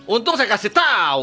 untung saya kasih tahu